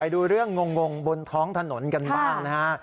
ดูเรื่องงงบนท้องถนนกันบ้างนะฮะ